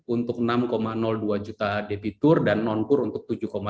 untuk enam dua juta debitur dan nonpur untuk